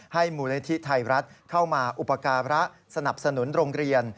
ให้มูลเมล็ดที่ไทยรัฐเข้ามาอุปกฏพระสนับสนุนโรงเรียน